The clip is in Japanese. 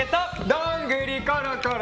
どんぐりころころ